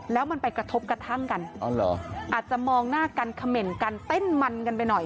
แล้วมันไปกระทบกระทั่งกันอาจจะมองหน้ากันเขม่นกันเต้นมันกันไปหน่อย